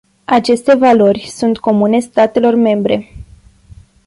Aceste valori sunt comune statelor membre.